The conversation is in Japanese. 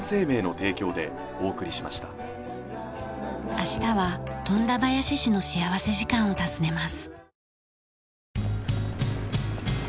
明日は富田林市の幸福時間を訪ねます。